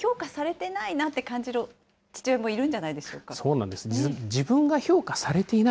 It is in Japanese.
だから評価されてないなって感じる父親もいるんじゃないでしょうか。